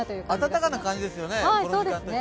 暖かな感じですよね